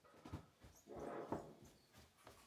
Jugó en el Juvenil deportivista durante seis años.